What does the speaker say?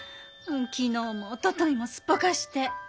昨日もおとといもすっぽかして。